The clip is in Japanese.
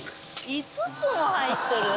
５つも入っとる。